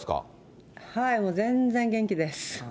もう全然元気です。